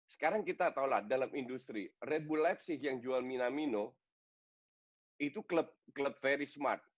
sekarang kita tahulah dalam industri red bull leipzig yang jual minamino itu klub klub very smart